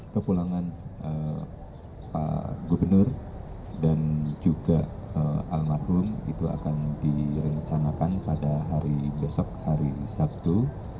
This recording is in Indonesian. kepulangan pak gubernur dan juga almarhum itu akan direncanakan pada hari besok hari sabtu